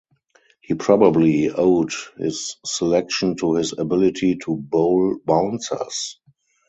He probably owed his selection to his ability to bowl bouncers.